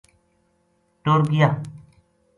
ٹر گیا